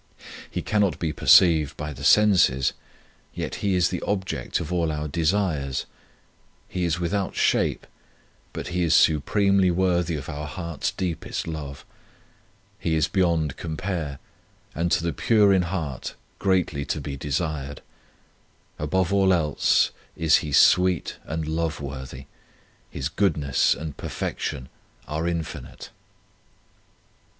He cannot be perceived by the senses, yet He is the object of all our desires ; He is without shape, but He is supremely worthy of our heart s deepest love. He is beyond compare, and to the pure in heart greatly to be desired. Above all else is He sweet and love worthy; His goodness and perfection are infinite.